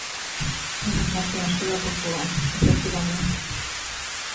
Menos mal que nos queda Portugal, efectivamente.